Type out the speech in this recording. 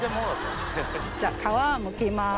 じゃあ皮むきます。